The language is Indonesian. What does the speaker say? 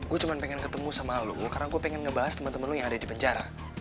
gue cuma pengen ketemu sama lo karena aku pengen ngebahas temen temen lo yang ada di penjara